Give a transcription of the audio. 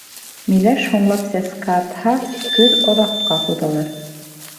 Миләш һуңлап сәскә атһа, көҙ оҙаҡҡа һуҙылыр.